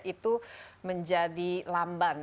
itu menjadi lamban